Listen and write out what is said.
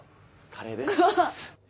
カレーです。